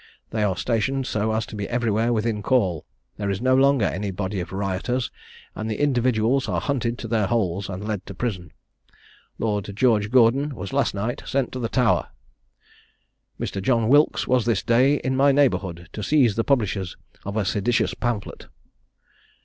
They are stationed so as to be everywhere within call; there is no longer any body of rioters, and the individuals are hunted to their holes, and led to prison: Lord George Gordon was last night sent to the Tower. "Mr. John Wilkes was this day in my neighbourhood, to seize the publishers of a seditious pamphlet.